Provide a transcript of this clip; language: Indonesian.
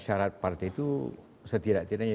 syarat partai itu setidak tidaknya